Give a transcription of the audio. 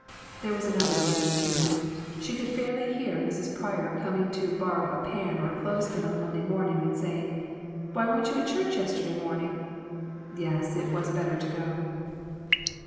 There was another reason, too. She could fairly hear Mrs. Pryor coming to borrow a pan or a clothes pin on Monday morning, and saying, "why weren't you at church yesterday morning?" Yes, it was better to go.